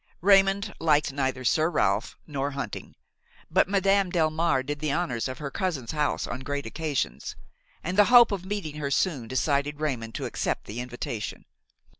Raymon liked neither Sir Ralph nor hunting, but Madame Delmare did the honors of her cousin's house on great occasions, and the hope of meeting her soon decided Raymon to accept the invitation.